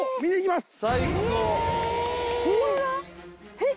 えっ？